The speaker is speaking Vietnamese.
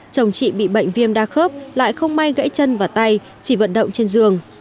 chồng chị bị bệnh viêm đa khớp lại không may gãy chân và tay chỉ vận động trên giường